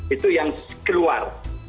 itu yang keluar